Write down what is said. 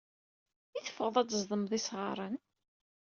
I teffɣeḍ ad d-tzedmeḍ isɣaren?